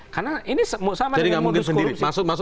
karena ini sama dengan modus korupsi